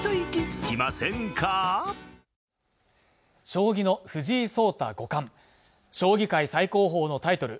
将棋の藤井聡太五冠将棋界最高峰のタイトル